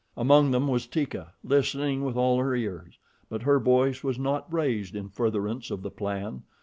Among them was Teeka, listening with all her ears; but her voice was not raised in furtherance of the plan.